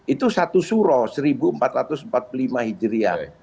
itu satu surah seribu empat ratus empat puluh lima hijriah